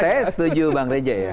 saya setuju bang reja ya